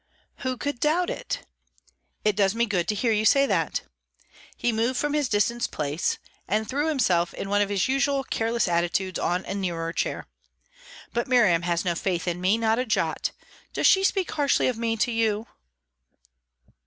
"Who could doubt it?" "It does me good to hear you say that!" He moved from his distant place, and threw himself in one of his usual careless attitudes on a nearer chair. "But Miriam has no faith in me, not a jot! Does she speak harshly of me to you?"